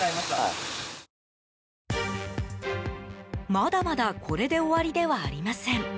まだまだこれで終わりではありません。